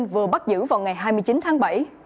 vừa bắt giữ vào ngày hai mươi chín tháng bảy